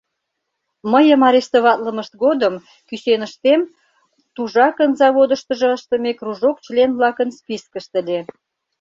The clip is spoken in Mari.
— Мыйым арестоватлымышт годым, кӱсеныштем Тужакын заводыштыжо ыштыме кружок член-влакын спискышт ыле.